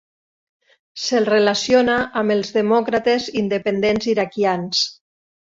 Se'l relaciona amb els demòcrates independents iraquians.